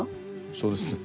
そうですね。